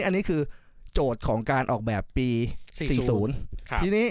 อันนี้คือโจทย์ของการออกแบบปี๔๐ทีนี้